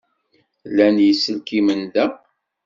Llan yiselkimen da.